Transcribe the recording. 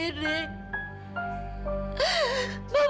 mama tau siapa riri